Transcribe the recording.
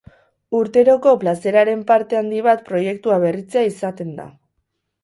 Urteroko plazeraren parte handi bat proiektua berritzea izaten da.